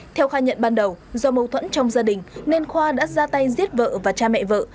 theo khai nhận ban đầu do mâu thuẫn trong gia đình nên khoa đã ra tay giết vợ và cha mẹ vợ